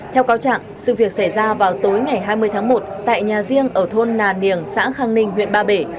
theo cáo trạng sự việc xảy ra vào tối ngày hai mươi tháng một tại nhà riêng ở thôn nà niềng xã khang ninh huyện ba bể